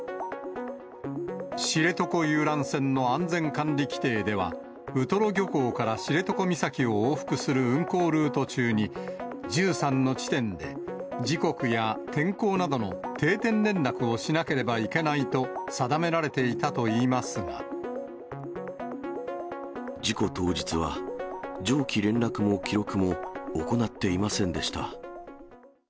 知床遊覧船の安全管理規程では、ウトロ漁港から知床岬を往復する運航ルート中に、１３の地点で時刻や天候などの定点連絡をしなければいけないと定事故当日は、上記連絡も記録も、行っていませんでした。